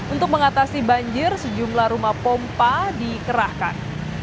untuk mengatasi banjir sejumlah rumah pompa dikerahkan